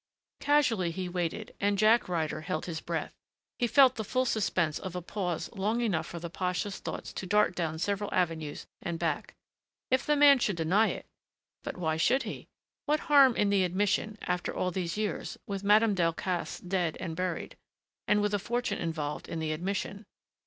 Casually he waited and Jack Ryder held his breath. He felt the full suspense of a pause long enough for the pasha's thoughts to dart down several avenues and back. If the man should deny it! But why should he? What harm in the admission, after all these years, with Madame Delcassé dead and buried? And with a fortune involved in the admission.